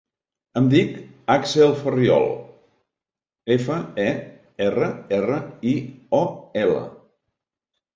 Em dic Axel Ferriol: efa, e, erra, erra, i, o, ela.